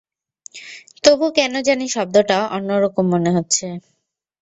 তবু কেন জানি শব্দটা অন্য রকম মনে হচ্ছে।